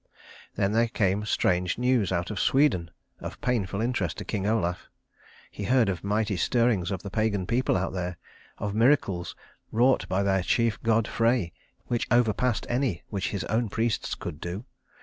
Then there came strange news out of Sweden, of painful interest to King Olaf. He heard of mighty stirrings of the pagan people out there, of miracles wrought by their chief god Frey which overpassed any which his own priests could do.